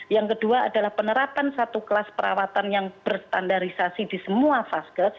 yang kedua adalah penerapan satu kelas perawatan yang berstandarisasi di semua vaskes